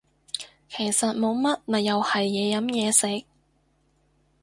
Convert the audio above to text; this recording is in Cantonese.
其實冇乜咪又係嘢飲嘢食